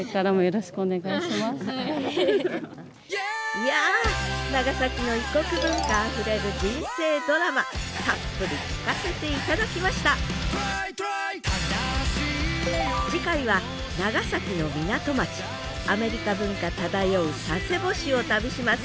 いや長崎の異国文化あふれる人生ドラマたっぷり聞かせて頂きました次回は長崎の港町アメリカ文化漂う佐世保市を旅します。